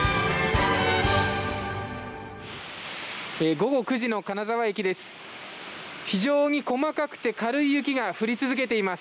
午後９時の金沢駅です。